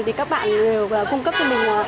thì các bạn đều cung cấp cho mình